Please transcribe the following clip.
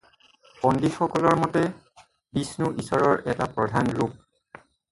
পণ্ডিতসকলৰ মতে, বিষ্ণু ঈশ্বৰৰ এটা প্ৰধান ৰূপ।